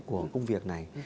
của công việc này